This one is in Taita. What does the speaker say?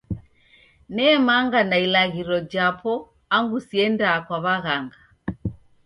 Nemanga na ilaghiro japo angu siendaa kwa w'aghanga.